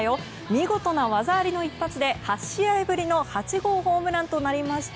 見事な技ありの一発で８試合ぶりの８号ホームランとなりました。